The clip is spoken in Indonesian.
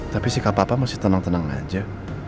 tapi si kak papa masih tenang tenang aja